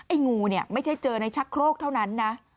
ไอ้งูไม่ได้เจอในชักโครกเท่านั้น